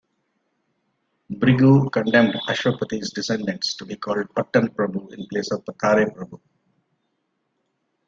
Bhrigu condemned Ashwapati's descendants to be called Pattan Prabhu in place of Pathare Prabhu.